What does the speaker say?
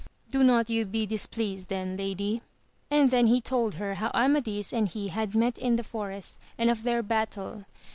— Do not you be displeased then Lady! and then he told her how Amadis and he had met in the forest, and of their battle.